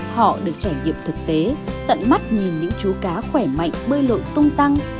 họ được trải nghiệm thực tế tận mắt nhìn những chú cá khỏe mạnh bơi lội tung tăng